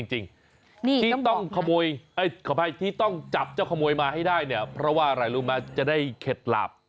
รู้ไหมจะได้เข็ดหลาบ